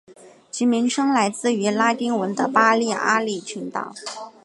其名称来自于拉丁文的巴利阿里群岛。